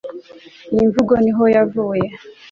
iyi mvugo niho yavuye